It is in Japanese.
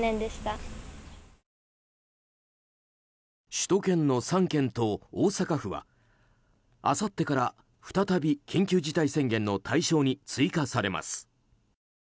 首都圏の３県と大阪府はあさってから再び緊急事態宣言の対象に追加されます。